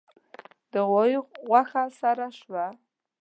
د غوايي غوښه سره شوه.